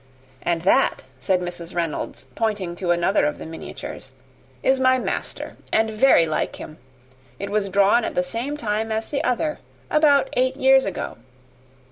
"And that," said Mrs. Reynolds, pointing to another of the miniatures, "is my master and very like him. It was drawn at the same time as the other about eight years ago."